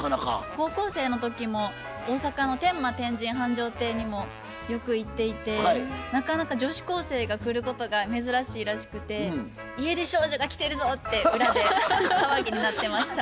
高校生の時も大阪の天満天神繁昌亭にもよく行っていてなかなか女子高生が来ることが珍しいらしくて家出少女が来てるぞって裏で騒ぎになってました。